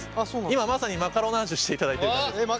今まさにマカロナージュしていただいてる感じですね。